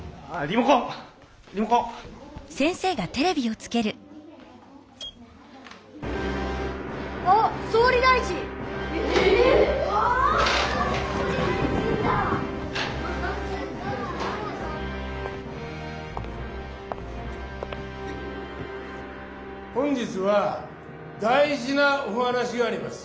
「本日は大じなお話があります。